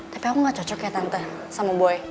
tapi aku gak cocok ya tante sama buaya